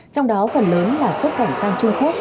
trong đó phần lớn là xuất cảnh sang trung quốc